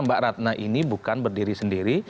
mbak ratna ini bukan berdiri sendiri